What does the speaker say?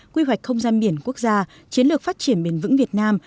quy hoạch không gian biển quốc gia chiến lược phát triển bền vững việt nam